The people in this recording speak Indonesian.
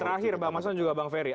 terakhir bang mason juga bang ferry